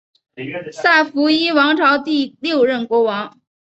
萨伏伊王朝第六任国王。